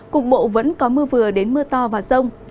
cục bộ vẫn có mưa vừa đến mưa to và rông